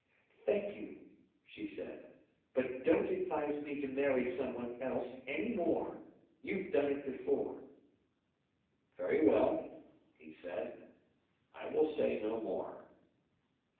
"Thank you!" she said. "But don't advise me to marry someone else any more. You've done it before." "Very well," he said; "I will say no more."